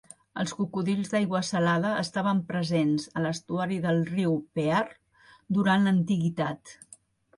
Els cocodrils d'aigua salada estaven presents a l'estuari del riu Pearl durant l'antiguitat.